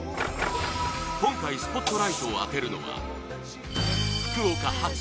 今回スポットライトを当てるのは福岡発！